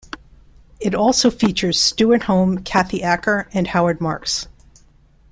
It also features Stewart Home, Kathy Acker and Howard Marks.